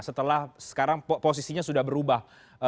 setelah sekarang posisinya sudah berubah